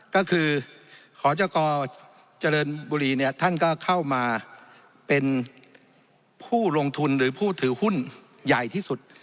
ก็คือขอจกเจริญบุรีเนี่ยท่านก็เข้ามาเป็นผู้ลงทุนหรือผู้ถือหุ้นใหญ่ที่สุด